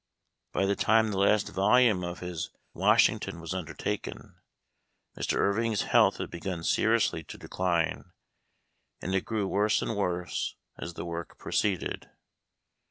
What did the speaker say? By the time the last volume of his " Wash ington" was undertaken Mr. Irving's health had begun seriously to decline, and it grew worse and worse as the work proceeded.